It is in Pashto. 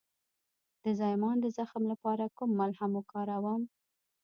د زایمان د زخم لپاره کوم ملهم وکاروم؟